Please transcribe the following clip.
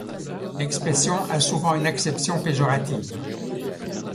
L'expression a souvent une acception péjorative.